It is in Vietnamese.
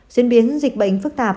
diễn biến dịch bệnh phức tạp